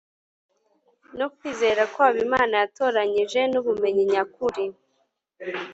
no kwizera kw abo imana yatoranyije c n ubumenyi nyakuri